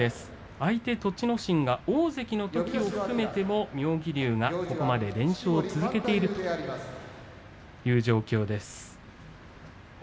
相手、栃ノ心が大関のときに対戦したのを含めても妙義龍がここまで連勝を続けているという状況です。